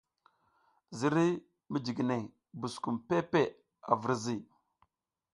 Ziriy mijiginey buskum peʼe peʼe a virzi.